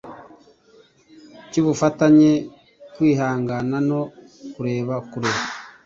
cy'ubufatanye, kwihangana no kureba kure